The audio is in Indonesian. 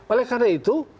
oleh karena itu